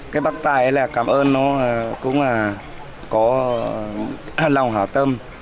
cái bác tài cảm ơn nó cũng là có lòng hảo tâm